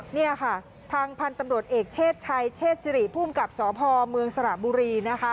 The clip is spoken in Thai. นี่ค่ะทางพันธ์ตำรวจเอกเชศชัยเชศสิริ